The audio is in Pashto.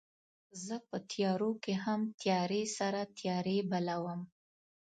زه په تیارو کې هم تیارې سره تیارې بلوم